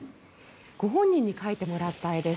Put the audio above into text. ご本人に描いてもらった絵です。